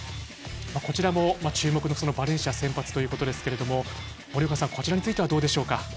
こちらも注目のバレンシアが先発ということですけれども森岡さん、こちらについてはどうでしょうか。